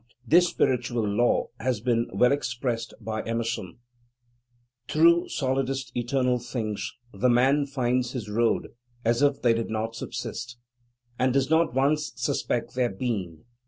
This spiritual law has been well expressed by Emerson: "Through solidest eternal things the man finds his road as if they did not subsist, and does not once suspect their being.